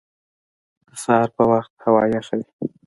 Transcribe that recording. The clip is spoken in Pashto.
د سهار په وخت هوا یخه وي